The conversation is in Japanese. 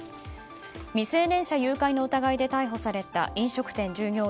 未成年者誘拐の疑いで逮捕された飲食店従業員